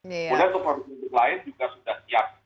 kemudian untuk produk produk lain juga sudah siap